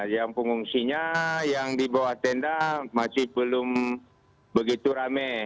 yang pengungsinya yang di bawah tenda masih belum begitu rame